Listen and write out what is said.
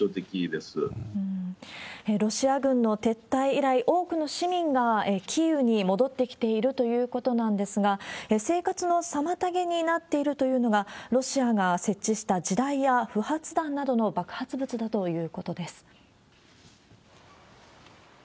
ロシア軍の撤退以来、多くの市民がキーウに戻ってきているということなんですが、生活の妨げになっているというのが、ロシアが設置した地雷や不発弾などの爆発物だということです。